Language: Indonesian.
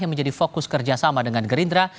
yang menjadi fokus kerjasama dengan gerindra